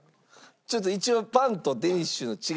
ちょっと一応パンとデニッシュの違いについて。